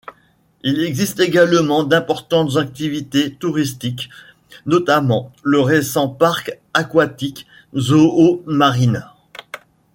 Il existe également d’importantes activités touristiques, notamment le récent parc aquatique Zoomarine.